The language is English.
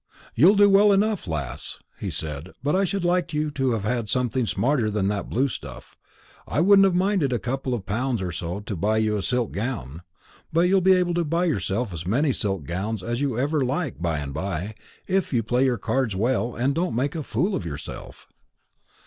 "You'll do well enough, lass," he said; "but I should like you to have had something smarter than that blue stuff. I wouldn't have minded a couple of pounds or so to buy you a silk gown. But you'll be able to buy yourself as many silk gowns as ever you like by and by, if you play your cards well and don't make a fool of yourself."